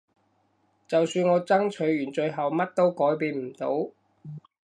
就算我爭取完最後乜都改變唔到